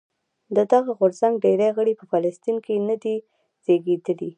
د دغه غورځنګ ډېری غړي په فلسطین کې نه دي زېږېدلي.